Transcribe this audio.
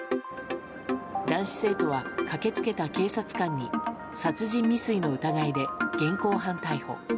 男子生徒は駆け付けた警察官に殺人未遂の疑いで現行犯逮捕。